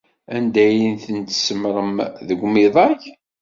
Anda ay ten-tsemmṛem deg umidag?